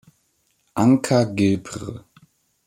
Anker Gebr.